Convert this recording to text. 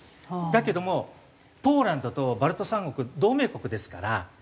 だけどもポーランドとバルト三国同盟国ですから。